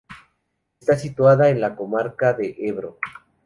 Está situada en la comarca de Ebro.